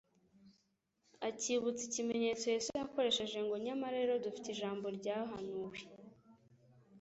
akibutsa ikimenyetso Yesu yakoresheje ngo: "Nyamara rero dufite- ijambo-ryahanuwe,